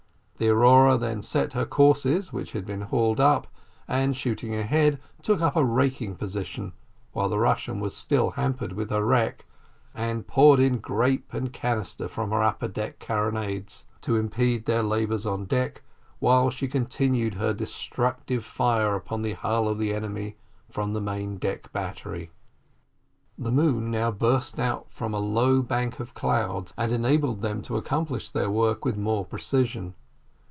The Aurora then set her courses, which had been hauled up, and, shooting ahead, took up a raking position while the Russian was still hampered with her wreck, and poured in grape and cannister from her upper deck carronades to impede their labours on deck, while she continued her destructive fire upon the hull of the enemy from the main deck battery. The moon now burst out from a low bank of clouds, and enabled them to accomplish their work with more precision.